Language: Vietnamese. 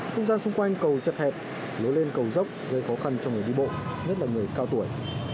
không gian xung quanh cầu chật hẹp nối lên cầu dốc gây khó khăn cho người đi bộ nhất là người cao tuổi